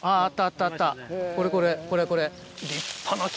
これこれこれこれ。